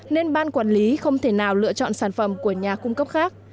nên ban quản lý không thể nào lựa chọn sản phẩm của nhà cung cấp khác